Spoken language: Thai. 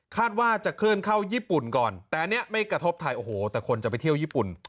ว่าจะเคลื่อนเข้าญี่ปุ่นก่อนแต่อันนี้ไม่กระทบไทยโอ้โหแต่คนจะไปเที่ยวญี่ปุ่น